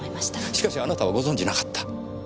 しかしあなたはご存じなかった。